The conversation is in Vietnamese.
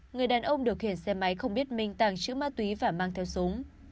người đàn ông điều khiển xe máy không biết mình tàng trữ ma túy và mang theo súng